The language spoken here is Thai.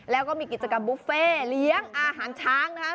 แล้วก็มีกิจกรรมบุฟเฟ่เลี้ยงอาหารช้างนะครับ